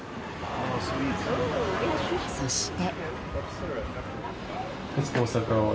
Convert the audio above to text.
そして。